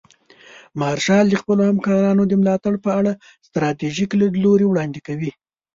مارشال د خپلو همکارانو د ملاتړ په اړه ستراتیژیک لیدلوري وړاندې کوي.